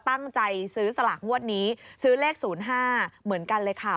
ตั้งใจซื้อสลากงวดนี้ซื้อเลข๐๕เหมือนกันเลยค่ะ